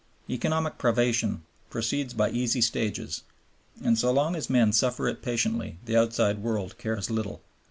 Economic privation proceeds by easy stages, and so long as men suffer it patiently the outside world cares little.